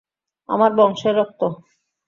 আমার বংশের রক্ত।